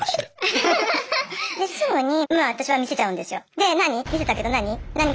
ですぐに私は見せちゃうんですよ。